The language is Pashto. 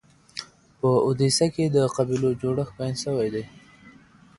په اودیسه کي د قبیلو جوړښت بیان سوی دی.